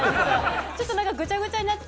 ちょっとぐちゃぐちゃになって。